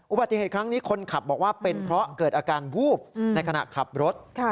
อุบัติเหตุครั้งนี้คนขับบอกว่าเป็นเพราะเกิดอาการวูบในขณะขับรถ